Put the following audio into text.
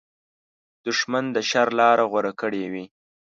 دښمن د شر لاره غوره کړې وي